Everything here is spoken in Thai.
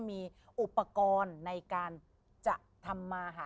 เดียวก็ได้ซื้อบ้าน